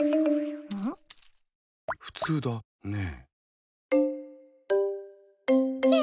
普通だね。